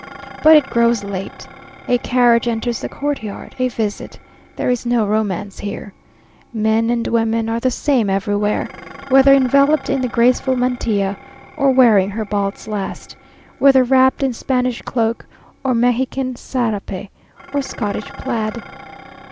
But it grows late a carriage enters the courtyard a visit. There is no romance here. Men and women are the same everywhere, whether enveloped in the graceful mantilla, or wearing Herbault's last, whether wrapped in Spanish cloak, or Mexican sarape, or Scottish plaid.